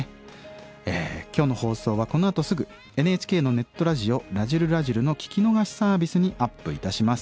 今日の放送はこのあとすぐＮＨＫのネットラジオ「らじる★らじる」の聴き逃しサービスにアップいたします。